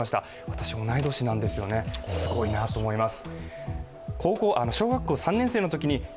私、同い年なんですよね、すごいなと思います。